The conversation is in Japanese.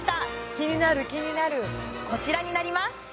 キニナルキニナルこちらになります